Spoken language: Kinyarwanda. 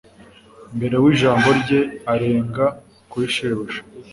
mbere w’ijambo rye arenga kuri shebuja